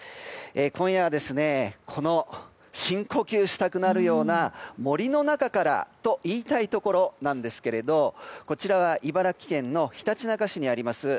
今夜はこの深呼吸したくなるような森の中からと言いたいところなんですけれどこちらは茨城県ひたちなか市にあります